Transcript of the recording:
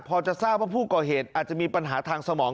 พอจะทราบว่าผู้ก่อเหตุอาจจะมีปัญหาทางสมอง